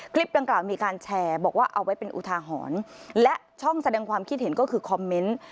คลิปดังกล่าวมีการแชร์บอกว่าเอาไว้เป็นอุทาหรณ์และช่องแสดงความคิดเห็นก็คือคอมเมนต์